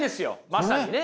まさにね。